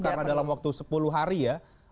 karena dalam waktu sepuluh hari ya